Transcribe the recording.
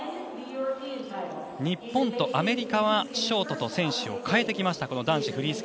日本とアメリカはショートで選手を替えてきました。